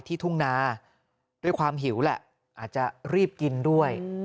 ทุ่งนาด้วยความหิวแหละอาจจะรีบกินด้วย